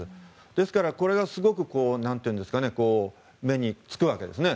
ですから、これはすごく目につくわけですね。